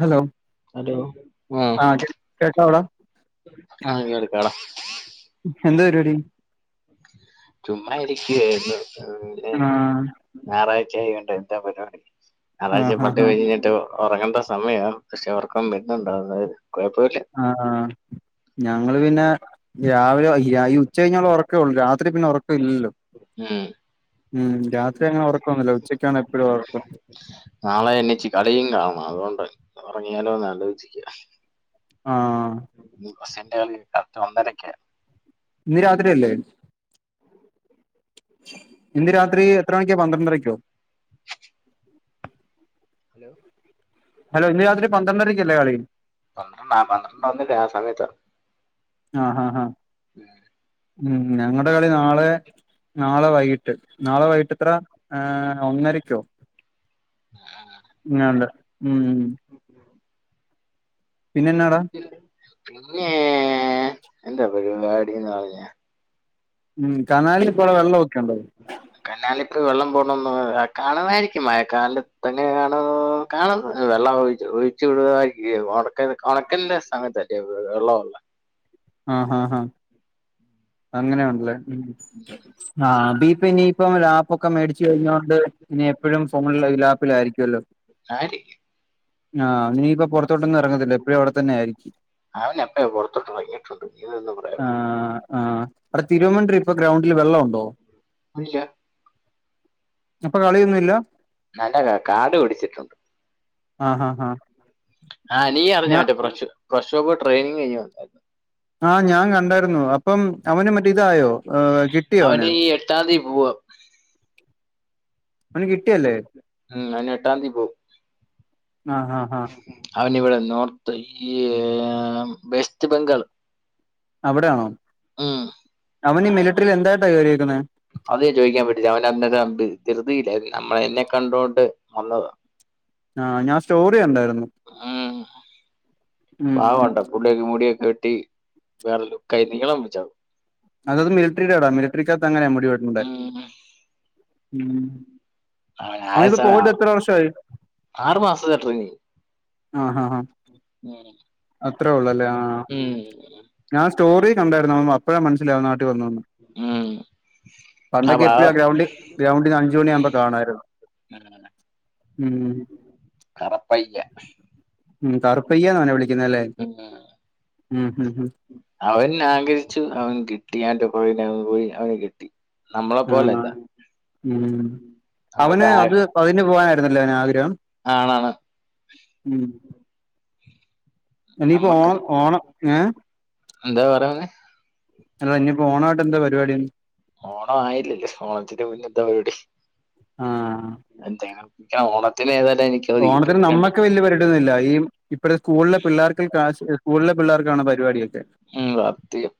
Hello hello ആഹ് ആഹ് ശരി കേട്ടോള്ളൂ ആഹ് കേൽക്കാടാ എന്താ പരിപാടി ചുമ്മാ ഇരിക്കുവായിരുന്നു പിന്നെ ആഹ് ഞായറാഴ്ച ആയ കൊണ്ട എന്താ പരിപാടി അതാച്ച ആഹ് പട്ട് ആഹ് ആഹ് കഴിഞ്ഞിട്ടോ ഉറങ്ങേണ്ട സമയാ പക്ഷെ ഉർക്കും ബന്നണ്ടാവുന്ന കുഴപ്പമില്ല ആഹ് ആഹ് ഞങ്ങള് പിന്നെ രാവിലെ ഈ ആഹ് ഉച്ച കഴിഞ്ഞ ഉറ ക്ക ഉള്ളൂ രാത്രി പിന്നെ ഉറക്കം ഇല്ലല്ലോ ഉം ഉം രാത്രി അങ്ങനെ ഉറക്കൊന്നുമില്ല ഉച്ചയ്ക്കാണ് എപ്പോഴും ഉറക്കം നാളെ എന്നിച്ച് കളിയും കാണണം അതുകൊണ്ട് ഇറങ്ങിയാലോ ആലോചിച്ചിരിക്ക ആഹ് ഉം മസെന്റ കളി കറക്റ്റ് ഒന്നരക്ക ഇന്ന് രാത്രിയല്ലേ ഇന്ന് രാത്രി എത്ര മണിക്കാ പന്ത്രണ്ടരക്കോ ലോ ഹലോ ഇന്ന് രാത് പന്ത്രണ്ടരക്കല്ലേ കളി പന്ത്രണ്ട പന്ത്രണ്ട ഒന്നിന് ആ സമയത്ത ആഹ് ആഹ് ആഹ് ഉം ഞങ്ങടെ കളി നാളെ നാളെ വൈകിട്ട് നാളെ വൈകിട്ട് എത്ര ഏഹ് ഒന്നരയ്ക്കോ ആഹ് ആഹ് ങ്ങട് ഉം പിന്നെന്നാടാ പിന്നേ എന്താ പരിപാടിന്ന് പറഞ്ഞ ഉം കനാലി ഇപ്പോലെ വെള്ളമൊക്കെയുണ്ടോ കനാലിപ്പ വെള്ളം പോണന്ന് കാണതായിരിക്കും മയ കാലിൽ ഇ തങ്ങെ കാണോ കാണണം വെള്ളം ഒഴിച്ചു ഒഴിച്ചു വിടുവായിക്കൂ ഉണക്കൻ്റെ ഉണക്കൻ്റെ സഥലത്തല്ലേ വെള്ളമുള്ളേ ആഹ് ആഹ് ആഹ് അങ്ങനെ ഉണ്ടല്ലേ ഉം ആഹ് ഇത് ഇപ്പ ഇനിയിപ്പം ലാപ്പൊക്കെ മേടിച്ചു കഴിഞ്ഞോണ്ട് ഇനി എപ്പോഴും ഫോണില ലാപ്പിലായിരിക്കുല്ലോ ആയിരിക്കും ആഹ് ഇനിയിപ്പൊ പുറത്തോട്ടൊന്നും ഇറങ്ങത്തില്ല എപ്പോഴും അവിടെത്തന്നെയായിരിക്കും അവനപ്പ പുറത്തോട്ട് ഇറങ്ങിട്ടുണ്ട് ഇത് എന്താ പറയാ ആഹ് ആഹ് അടെ തിരുവമണ്ടരി ഇപ്പൊ ഗ്രൗണ്ടില് വെള്ളം ഉണ്ടോ ഇല്ലാ ഇപ്പൊ കളിയൊന്നുമില്ല നല്ല കാട് പിടിച്ചിട്ടുണ്ട് ആഹ് ആഹ് ആഹ് ആഹ് നീ അറിഞ്ഞാ ഞാ മറ്റേ ഫ്രഷ് പ്രശോബ് ട്രെയിനിങ് കഴിഞ് വന്നായിരുന്നു ആഹ് ഞാൻ കണ്ടായിരുന്നു അപ്പം അവന് മറ്റേ ഇതായോ കിട്ടിയോ അവന് ഈ എട്ടാം തീയതി പോവാ അവന് കിട്ടിയല്ലേ ഉം അവൻ ഏട്ടന്തീയതി പോകും ആഹ് ആഹ് ആഹ് അവനി ഇവിടെ നോർത്ത് ഈ വെസ്റ്റ് ബംഗാൾ അവിടെയാണോ ഉം അവൻ ഈ മിലിറ്ററിയിൽ എന്തയ്ട്ടാ ജോലിടക്കുന്നെ അത ചോദിക്കാൻ പറ്റില്ല അവന് അന്നേരം ധൃതിയില്ആയിരുന്നു നമ്മള എന്നെ കണ്ടോണ്ട് വന്നതാ ആഹ ഞാൻ സ്റ്റോറി കണ്ടായിരുന്നു ഉംപാവം ഉം ആണ്ട ടിയൊക്കെ മുടിയൊക്കെ വെട്ടി വേറെ ലുക്കായ് നീളംവച്ചവനു അതത് മിലിറ്ററിടെ ആടാ മിലിറ്ററിക്കാത്ത് അങ്ങനെയാ മുടി വെട്ടണ്ടെ ഉം ആ അവനിപ്പോ അയസമയം പോയിട്ട് എത്ര വർഷമായി ആറു മാസ ട്രെയിനിങ് ആഹ് ആഹ് ആഹ് ഉം അത്രേയൊള്ളല്ലേ ആ ഞാൻ സ്റ്റോറി കണ്ടായിരുന്നു അം അപ്പോഴാ മനസ്സിലായ അവൻ നാട്ടിൽ വന്നന്ന് ഉം [inaudible] പണ്ടൊക്കെ എപ്പോഴും ആ ഗ്രൗണ്ടിൽ ഗ്രൗണ്ടിൽ അഞ്ച് മണി ആവുമ്പോ കാണായിരുന്നു ഉം കറപ്പയ്യ ഉം കറുപ്പയ്യാന്ന നവനെ വിളിക്കുന്നല്ലേ ഉം ഉംഉം അവൻ ആഗ്രഹിച്ചു അവൻ കിട്ടി ആന്റെ [unintelligible] പോയി അവന് കിട്ടി നമ്മളെ ആ പോല അല്ല നമ്മക്ക് ആ അപ്പ അതിന് പോകാനായിരുന്നല്ലെ അവന് ആഗ്രഹം ആണാണ് ഉം ഇനീപ്പോ നമ്മക്ക് ഓണം ഓണം ഏഹ് എന്താ പറയാൻ വന്നെ അല്ലാ ഇനിപ്പോ ഓണമായിട്ട് എന്താ പരിപാടിന്ന് ഓണം ആയില്ലല്ലേ ഓണത്തിന്റെ മുന്നെ എന്താ പരിപടി ആഹ് എന്തങ്ങ ഓണത്തിന് ഏതായാലും എനിക്ക് അവധി ഓണത്തിന് കിട്ടും രണ്ടും നമ്മൾക്ക് വല്യ പരിപാടിന്നുമില്ല ഈ ഇപ്പഴ്ത്ത സ്കൂളിലെ പിള്ളേർക്ക് സ്കൂളിലെ പിള്ളേർക്കാണ് പരിപാടിയൊക്കെ ഉം സത്യം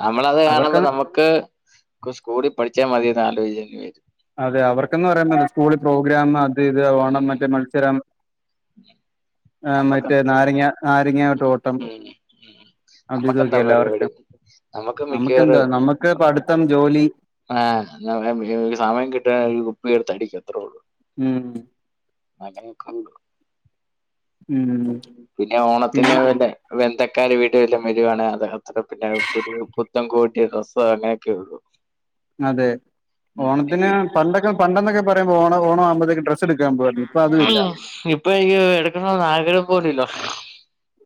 നമ്മളത് അവർക്ക് കാണുമ്പോ നമ്മു ക്ക് സ്കൂളിൽ പഠിച്ചാ മതിന്ന് ആലോയ്ച്ച് അതെ അവർക്കന്ന് പറയുമ്പ സ്കൂളിൽ പ്രോഗ്രാം അത് ഇത് ഉം ഓണം മറ്റേ മത്സരം ആ നമ്മക്ക് മറ്റേ നാരങ്ങ നാരങ്ങട്ട ഓട്ടം ഉം ഉം അത് നമ്മക്കെന്താ ഇതൊക്കെ അല്ലെവർക്ക് പരിപാടി നമുക്ക് നമുക്കെന്താ മിക്കവാറും നമ്മുക്ക് പഠിത്തം ജോലി ആഹ് സമയം കിട്ടിയ ഒരു കുപ്പിഎടുത്ത് അടിക്കും അത്രേള്ളൂ ഉം അങ്ങനെക്കെ ഉം പിന്നെ പിന്നെ ഓണത്തിന് വേണ്ടേ ബന്ധുക്കാർ വീട്ടിൽ വല്ല വരുവാണ് അത് [unintelligible] പിന്നെ പുത്തൻകോട്ടി ഡ്രസ്സ്‌ അങ്ങനെയൊക്കെ ഉള്ളു അതെ ഉം ഓണത്തിന് പണ്ടൊക്കെ പണ്ടെന്നൊക്കെ പറയുമ്പോ ഓണ ഓണാമ്പോഴതെക്ക് ഡ്രസ് എടുക്കൻ പോകുവാരുന്നു ഇപ്പ അതുമില്ല ഇപ്പൊ ഈ എടക്കണന്ന് ആഗ്രഹം പോലും ഇല്ല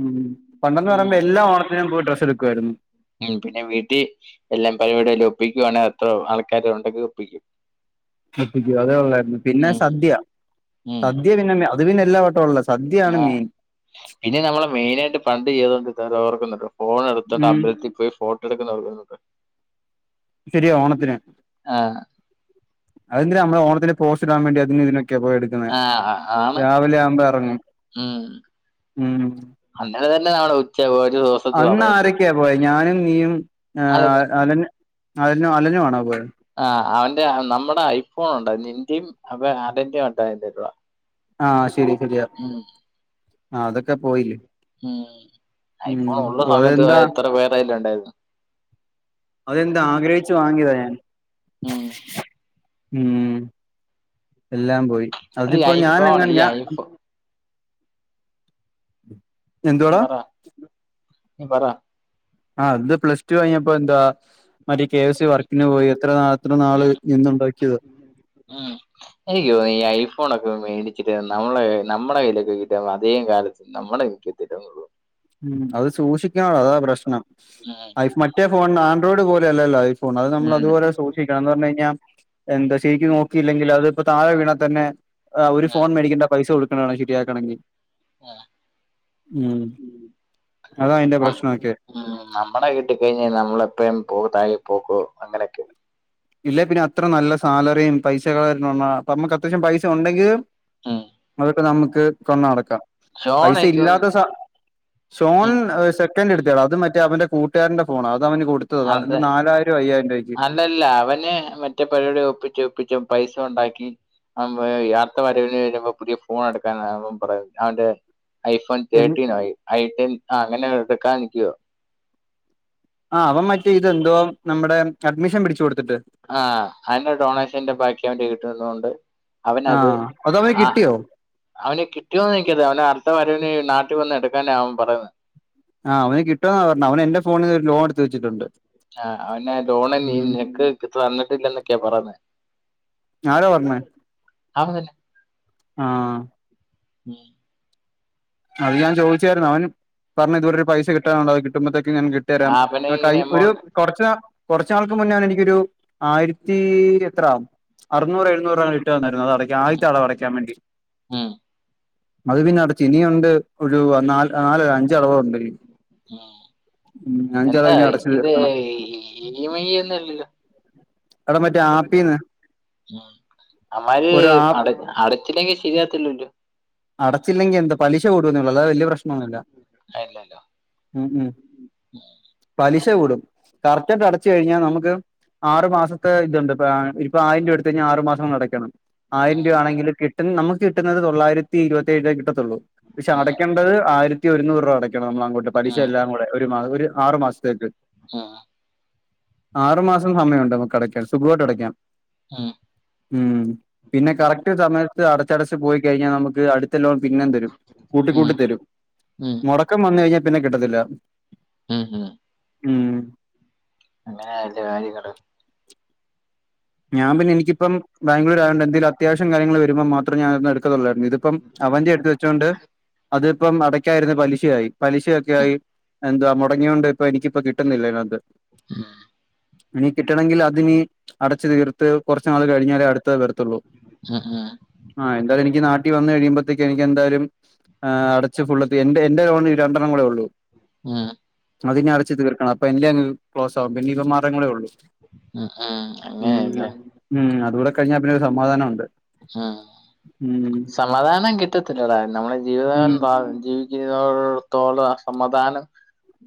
ഉം പണ്ടെന്ന് പറയുമ്പോ എല്ലാ ഓണത്തിനും പോയി ഡ്രസ്സ് എടുക്കുവായിരുന്ന് ഉം പിന്നെ വീട്ടിൽ എല്ലാം പരിപാടി ല്ലാ ഒപ്പിക്കുവാണെ അത്രോ ആൾക്കാര് ഒണ്ടെങ്കിൽ ഒപ്പിക്കും പ്പിക്കൂ അതേ ഉള്ളതായിരുന്നു പിന്നെ ഉം സദ്യ ഉം സദ്യ പിന്നെ അത് പിന്നെ എല്ലാ വട്ടവും ഉള്ള സദ്യയാണ് ആഹ് മെയിൻ പിന്നെ നമ്മള മെയിന ആയിട്ട് പണ്ട് ചെയ്തോണ്ട് ഇരന്ന ഓർക്കുന്നുണ്ടൊ ഫോൺ എടുത്തോണ്ട് ഉം അമ്പലത്തിൽ പോയി ഫോട്ടോ എടുക്കുന്ന ശരിയാ ഓണത്തിന് ആഹ് അത് എന്തിനാ നമ്മള് ഓണത്തിന് പോസ്റ്റ് ഇടാൻ വേണ്ടി അതിന് ഇതിനൊക്കെ പോയത് ക്കന്ന ആഹ് ആണ് രാവിലെ ആവുമ്പോ ഇറങ്ങും ഉം ഉം അങ്ങനെ തന്നെ നമ്മടെ ഉച്ചയാവും ഒരു അന്ന് സമയം പോകും ആരൊക്കെയാ പോയ ഞാനും നീയും അല്ലല്ലോ അല അലും അലനും ആണോ പോയെ ആ അവന്റെ നമ്മുടെ ഐഫോൺ ഉണ്ടായി നിന്റേം അ അവന്റേം ഉണ്ടായിരുന്നെ ആഹ് ശരി ശെരിയാ ആ അതൊക്കെ പോയിലെ ഉം ഐഫോൺ മ് ഉള്ള ഓ സമയത്ത് അതെന്താ എത്ര പേരെയ്യിലോണ്ടായിരുന്നു അതെന്ത്‌ ആഗ്രഹിച്ചു വാങ്ങിയതാ ഞാൻ ഉം ഉം എല്ലാം പോയി അത് ഈ അതിപ്പോ ഞാൻ ഐഫോൺ എങ്ങെ ഈ ഞാൻ ഐഫോൺ എന്തുവാടാ പറ നീ പറ ആഹ് അത് പ്ലസ് ടു കഴിഞ്ഞപ്പോ എന്താ മറ്റെ കെ എഫ് സി വർക്കിന് പോയി എത്ര എത്ര നാള് നിന്ന് ഉണ്ടാക്കിയതാ മ് എനിക്ക് തോന്ന ഈ ഐഫോണൊക്കെ മേടിച്ചിട്ട് നമ്മളെ നമ്മടെ കയ്യിലൊക്കെ കിട്ടിയാ അധിക കാലത്ത് നമ്മളെ എനിക്ക് തരൂള്ളു മ് അത് സൂക്ഷിക്കണോടാ അതാ പ്രശ്നം ഉം മറ്റേ ഫോൺ ആൻഡ്രോയിഡ് പോലെയല്ലലോ ഐ ഫോൺ അത് ഉം നമ്മളതുപോലെ സൂക്ഷിക്കണം എന്ന് പറഞ്ഞേയിഞ്ഞാൽ ക എന്താ ശരിക്കക്ക് നോക്കിയില്ലെങ്കിൽ അത് ഇപ്പൊ താഴെ വീണാത്തന്നെ ഒരു ഉം ഉം ഫോൺ മേടിക്കേണ്ട പൈസ കൊടുക്കണാമെടാ ശരിയാക്കണെങ്കിൽ മ് [unintelligible] ഉം നമ്മടെ കൈ കിട്ടിക്കഴിഞ്ഞാൽ നമ്മളെപ്പഴും പോ താഴെ പോക്കോ അങ്ങനൊക്കെയാ ഇല്ലേ പിന്നെ അത്ര നല്ല സാലറിയും പൈസകൾ [unintelligible] അത്യാവശ്യം പൈസ ഉണ്ടെങ്കിൽ ഉം അതൊക്കെ നമുക്ക് കൊണ്ട് നടക്കാം പൈസ ഷോണക്ക് ഇല്ലാത്ത സ സോൺ ഉം സെക്കന്റ് എടുത്തെയെടാ അത് മറ്റേ അവന്റെ കൂട്ട് കൂട്ടുകാരന്റെ ഫോണാ അതവന് കൊടുത്തതാ അത് നാലായിരം അയ്യായിരം രൂപയ്ക്ക് അല്ലല്ലാ അവന് മറ്റേ പരിപാടി ഒപ്പിച്ച് ഒപ്പിച്ചു അവൻ പൈസ ഉണ്ടാക്കി അവൻ പറയാ അടുത്ത വരവിന് വരുമ്പോ പുതിയ ഫോൺ എടുക്കാനാ അവൻ പറയുന്നെ അവന്റെ ഐഫോൺ എന്ന് തേർട്ടീനോ ഐ ടെൻ ആ അങ്ങനെ ഒരെണ്ണം എടുക്കാൻ നിക്കുവോ ആ അവൻ മറ്റേ ഇതെന്തോ നമ്മടെ അഡ്മിഷൻ പിടിച്ചു കൊടുത്തിട്ട് ആഹ് അതിന്റെ ഡൊണേഷന്റെ ബാക്കി അവന്റെൽ കിട്ടുന്നൊണ്ട് അവനത് അതവന് ആ കിട്ടിയോ? അവന് കിട്ടിയോന്നോ [unintelligible] അവന് അടുത്ത വരവിനു നാട്ടിൽ വന്ന് എടുക്കാനാ അവൻ പറയുന്നെ ആഹ് അവന് കിട്ടോന്നാ പറഞ്ഞത് അവന് എന്റെ ഫോണീന്ന് ഒരു ലോണെടുത്ത് വെച്ചിട്ടുണ്ട് ആഹ് അവനെ ലോണെ നീ ഉം നിനക്ക് തന്നിട്ടില്ലന്നൊക്കെയാ പറയുന്നെ ആരാ പറഞ്ഞെ അവൻ തന്നെ ആഹ് [inaudible] അത് ഞാൻ ചോദിച്ചായിരുന്നു അവൻ പറഞ്ഞ് ഇതുവരെ ഒരു പൈസ കിട്ടാനുണ്ട് അത് കിട്ടുമ്പോഴത്തേക്ക് ഞാൻ ആ ഇട്ടേരാം അവനെ ഇങ്ങനെ കയ്യി ഒരു എമൗണ്ട് കൊറച്ച് നാ [inaudible] കൊറച്ച് നാൾക്ക് മുന്നേ അവൻ എനിക്കൊരു ആയിരത്തി എത്ര അറുന്നൂറ് എഴുന്നൂര് ഇട്ട് തന്നിരുന്നു അത് അടക്കാൻ ഉം ആദ്യത്തെ അടവ് അടക്കാൻ വേണ്ടി ഉം അത് പിന്നെ അടച്ച് ഇനിയും ഉണ്ട് ഒരു നാല് നാലല്ല അഞ്ച് അടവോണ്ടോയി ഉം. മ് എന്താ അഞ്ചടവ് ഇനി അടച്ചു ഇത് തീർക്കണം ഇ എം ഐ ഒന്നും അല്ലല്ലോ എടാ മറ്റേ ആപ്പീന്ന് അവമ്മാര് ഒരു ആപ്പ് അട അട എത്തില്ലെകിൽ ശരിയാവത്തില്ലലോ അടച്ചില്ലെങ്കിൽ എന്താ പലിശ കൂടൂന്നെള്ളൂ അല്ലാതെ വലിയ പ്രശ്നൊന്നുല്ല അയില്ലല്ലോ മ് മ് പലിശ കൂടും കറക്റ്റായിട്ടടച്ചു കഴിഞ്ഞാൽ നമുക്ക് ആറു മാസത്തെ ഇതുണ്ട് ഇപ്പ ഇപ്പ ആയിരം രൂപ എടുത്ത കഴിഞ്ഞാൽ ആറ മാസങ്ങൾ നടക്കണം ആയിരം രൂപ ഉം ആണെങ്കിൽ കിട്ടുന്ന നമുക്ക് കിട്ടുന്നത് തൊള്ളായിരത്തി ഇരുപത്തിയേഴു രൂപയെ കിട്ടത്തുള്ളൂ പക്ഷേ അടക്കേണ്ടത് ആയിരത്തി ഒരുന്നൂറ് രൂപ അടക്കണം നമ്മൾ അങ്ങോട്ട് പലിശ ഉം എല്ലാം കൂടെ ഒരു മാസ ഒരു ആറു മാസത്തേക്ക്. [unintelligible] ആറു മാസം സമയമണ്ട് നമുക്കടക്കാൻ സുഖമായിട്ട് അടക്കാം. മ് ഉം പിന്നെ കറക്റ്റ് സമയത്ത് അടച്ചടച്ച് പോയി കഴിഞ്ഞാൽ നമുക്ക് അടു ലോൺ പിന്നെ തരും ഉം ഉം കൂട്ടിക്കൂട്ടി തരും ഉം മുടക്കം വന്ന്കഴിഞ്ഞാൽ പിന്നെ കിട്ടത്തില്ല. ഉം ഹം ഉം അങ്ങനെയ ല്ലെ കാര്യങ്ങൾ. ഞാൻ പിന്നെനിക്കപ്പ ബാംഗ്ലൂർ ആയോണ്ട് എന്തെങ്കിലും അത്യാവശ്യം കാര്യങ്ങൾ വരുമ്പോ മാത്രം ഞാനന്ന് എടുക്ക തൊള്ളായിരുന്നു ഇതിപ്പം. അവൻ്റെയടുത്ത് വെച്ചോണ്ട് അതിപ്പം അടക്കായിരുന്നു പലിശയായി. പലിശൊക്കെ ഉം ആയി എന്തുവാ മുടങ്ങൊണ്ട് ഇപ്പ എനിക്കിപ്പോ കിട്ടുന്നില്ല ഇതിനാത്ത്. [unintelligible] ഇനി കിട്ടണെങ്കിൽ അത്നിനി അടച്ച് തീർത്ത് കുറച്ച് നാൾ കഴിഞ്ഞാലേ അടുത്തേ വരത്തുള്ളൂ. ഉം ഉം ആ് എന്തായാലും എനിക്ക് നാട്ടിൽ വന്ന് കഴിയുമ്പോഴത്തേക്ക് എനിക്ക് എന്തായാലും. ആ് അടച്ച് ഫുള്ള് എ എന്റെ ലോണ് രണ്ടെണ്ണം കൂടെ ഒള്ളൂ. ഉം അതിനി അടച്ച് തീർക്കണം അപ്പൊ എന്റെ അങ് ക്ലോസ് ആകും പിന്നെ ഇവൻ മാറങ്ങളേ ഉള്ളൂ. ഉ ആ ഉം ഉം അതുകൂടെ കഴിഞ്ഞാൽ പിന്നെ ഒരു സമാധാനണ്ട്. ഉം സമാധാനം കിട്ടത്തില്ലടാ നമ്മളെ ഉം ജീവിതകാലം ജീ ജീവനുള്ളിടത്തോളം സമാധാനം.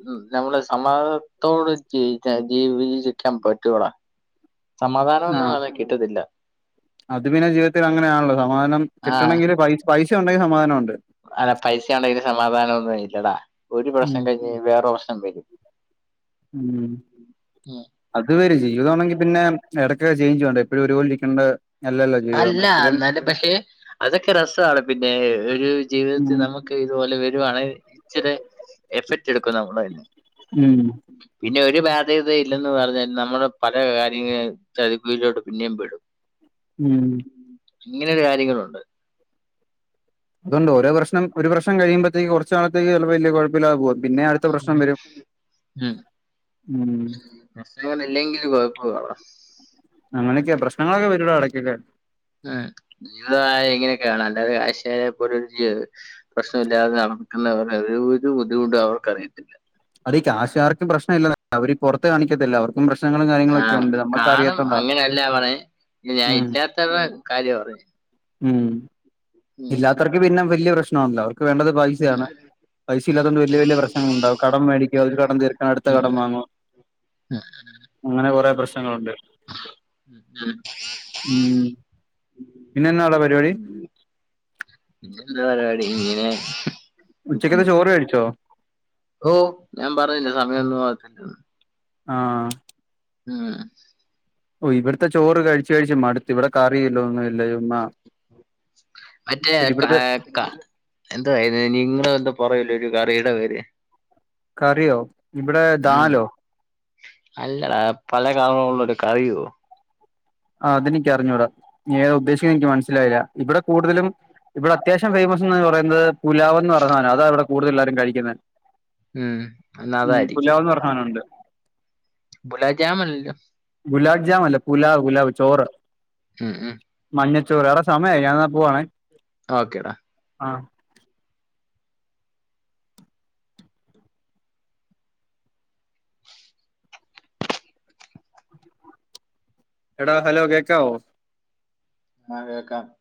ഉ നമ്മള് സമാതാനത്തോടെ ജീ ജീവിക്കാൻ പറ്റോടാ? സമാധാനം ആ ഒന്നും അങ്ങനെ കിട്ടത്തില്ല. അത് പിന്നെ ജീവിതത്തിൽ അങ്ങനെയാണല്ലോ സമാധാനം കിട്ടണമെങ്കിൽ പൈ പൈസ ഉണ്ടെങ്കിൽ സമാധാനം ഉണ്ട്. അന പൈസ ഉണ്ടെങ്കിൽ സമാധാനം ഒന്നും ഇല്ലടാ ഒരു ഉം പ്രശ്നം കഴിഞ് വേറൊരു പ്രശ്നം വരും. ഉ അത് വരും ജീവിതാണെങ്കി. പിന്നെ ഇടയ്ക്കെ ചേഞ്ച് വേ ണ്ടേ എപ്പോഴും ഒരുപോല ഇരിക്കേണ്ട. അല്ലല്ലോ ജീവിതം അല്ല എപ്പോഴും എന്നാല പക്ഷെ അതൊക്കെ രസാണ് പിന്നെ ഒരു ജീവിതത്തിൽ ഉം നമുക്ക്. ഇതുപോലെ വരുവാണെ ഇച്ചിരി എഫക്ട് എടുക്കും നമ്മൾ അതി ഉം പിന്നെ ഒരു ബാധ്യത യും ഇല്ലെന്ന് പറഞ്ഞാൽ നമ്മുടെ പല കാര്യങ്ങളും [unintelligible] പിന്നെയും പെടും. ഉം ഇങ്ങനെൊരു കാര്യങ്ങളുണ്ട്. അതൊണ്ട് ഓരോ പ്രശ്നം ഒരു പ്രശ്നം കഴിയുമ്പത്തേക്ക് കുറച്ച് നാളത്തേക്ക് വല്യ കുഴപ്പിലാതെ പോവും പിന്നെ. പ്രശ്നം വരും ഉം [unintelligible] കുഴപ്പണോ? അങ്ങനൊക്കെ പ്രശ്നങ്ങളൊക്കെ വരു വെടഎടകൊക്കെ. [unintelligible] പ്രശ്നമില്ലാതെ നടക്കുന്നവരു ഒരു ഒരു ബുദ്ധിമുട്ടും അവർക്ക് അറിയത്തില്ല. ഈ കാശുകാർക്കും പ്രശ്നമല്ല അവര് പുറത്ത് കാണിക്കത്തില്ല അവർ. പ്രശ്നങ്ങളും ആ കാര്യങ്ങളൊക്കെ ഉണ്ട് കാണും നമ്മുക്കറിയാത്തോണ്ടാ. അങ്ങനെയല്ല പറഞ്ഞേ ഞാൻ ഇല്ലാത്തവരുടെ കാര്യ പറ േഞ്ഞ? ഉം ഇല്ലാത്തർക്ക് പിന്നെ വലിയ പ്രശ്നാണല്ലോ അവർക്ക് വേണ്ടത് പയിസയാണ്. പൈസ ഇല്ലാത്തൊണ്ട് വലിയ വലിയ പ്രശ്നങ്ങൾണ്ടാവും കടം മേടിക്കും ഒരു കട തീർക്കൻ അടുത്ത ഉം. കടം ഉം. വാങ്ങും. [inaudible] അങ്ങനെ കൊറെേ പ്രശ്നങ്ങളുണ്ട്. [unintelligible] പിന്നെ എന്നടാ പരിപാടി? എന്ത പരിപാടി ഇങ്ങനെ ഉച്ചക്കത്തെ ഇരിക്കുന്നു ചോറു കഴിച്ചോ ഓ ഞാൻ പറഞ്ഞില്ലെ സമയോന്നും [unintelligible] ആഹ് മ് ഓഹ് ഇവിടുത്തെ ചോറ് കഴിച്ച് കഴിച്ച് മടുത്ത് ഇവിടെ കറി ഇല്ല ഒന്നും ഇല്ലയോ മറ്റേ പിന്നെ ക ഇവിടുത്തെ ക എന്തൊ ഇത്‌ നിങ്ങള് എന്തൊ പറയുല്ലൊ ഒരു കറീട പേര് കറിയോ ഇവിടെ ഉം. ദാലോ അല്ലടാ പല കള്റൊള്ളൊരു കറിയോ ആ അതെനിക്കറിഞ്ഞൂടാ നീ ഏതാ ഉദ്ദേശിക്കന്നെനിക്ക് മനസ്സിലായില്ല ഇവിടെ കൂടുതലും ഇവിട അത്യാവശ്യം ഫേമസ് എന്ന് പറയുന്നത് പുലാവെന്ന് പറന്ന സാധനം അതാ ഇവിടെ കൂടുതൽ എല്ലാരും കഴിക്കുന്നെ ഉം. എന്നാ മ് അതായിരിക്കും പുലാവന്ന് പറ സാനോണ്ട് ബുലാജാം അല്ല്ലോ ഗുലാബ് ജാമല്ല പുലാവ് പുലാവ് ചോറ് മ് മ് മഞ്ഞച്ചോറ് എടാ സമയായി ഞാനെന്നാ പോവാണേ ഓക്കെ ടാ ആഹ് എടാ ഹലോ കേക്കാവോ ആ കേക്കാം